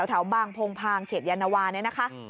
แถวบางโพงพางเขตยานวาเนี่ยนะคะ